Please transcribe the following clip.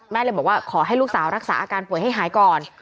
เลยบอกว่าขอให้ลูกสาวรักษาอาการป่วยให้หายก่อน